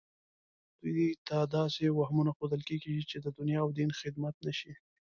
دوی ته داسې وهمونه ښودل کېږي چې د دنیا او دین خدمت نه شي